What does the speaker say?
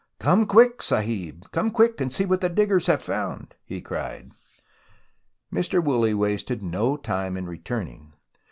" Come quick, Sahib ! Come quick and see what the diggers have found !" he cried. Mr. Woolley wasted no time in returning.